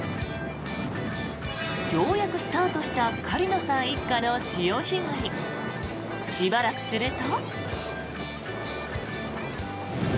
ようやくスタートした狩野さん一家の潮干狩り。しばらくすると。